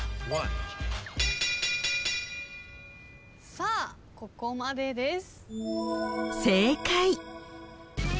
さあここまでです。